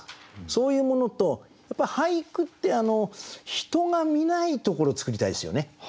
そういうものとやっぱり俳句って人が見ないところを作りたいですよね。